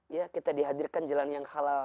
ya kita dihadirkan jalan yang halal